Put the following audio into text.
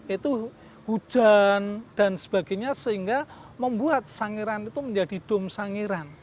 itu hujan dan sebagainya sehingga membuat sangiran itu menjadi dom sangiran